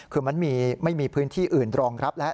คือมันไม่มีพื้นที่อื่นรองรับแล้ว